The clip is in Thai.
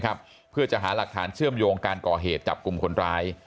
เพื่อจะหาหลักฐานเชื่อมโยงการก่อเหตุจับกลุ่มคนร้าย